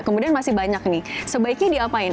kemudian masih banyak nih sebaiknya diapain